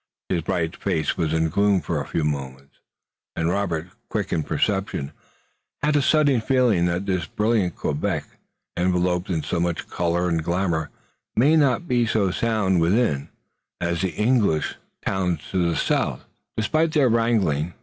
His bright face was in gloom for a few moments, and Robert, quick in perception, had a sudden feeling that this brilliant Quebec, enveloped in so much color and glamour, might not be so sound within as the English towns to the south, despite their wrangling.